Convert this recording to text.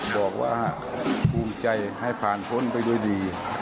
บอกว่าภูมิใจให้ผ่านพ้นไปด้วยดี